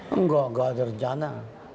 enggak enggak ada rencana